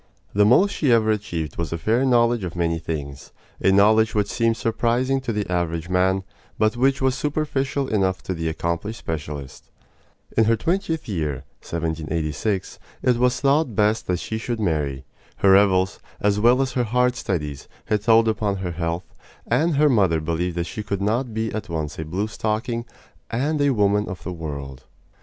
The most she ever achieved was a fair knowledge of many things a knowledge which seemed surprising to the average man, but which was superficial enough to the accomplished specialist. In her twentieth year (1786) it was thought best that she should marry. Her revels, as well as her hard studies, had told upon her health, and her mother believed that she could not be at once a blue stocking and a woman of the world.